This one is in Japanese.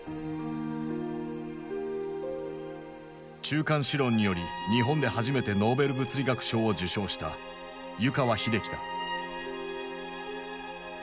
中間子論により日本で初めてノーベル物理学賞を受賞した湯川秀樹だ。